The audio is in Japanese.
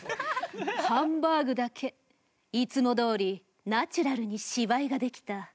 ハンバーグだけいつもどおりナチュラルに芝居ができた。